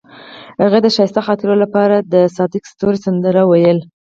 هغې د ښایسته خاطرو لپاره د صادق ستوري سندره ویله.